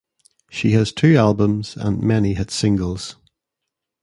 She has two albums and many hit singles.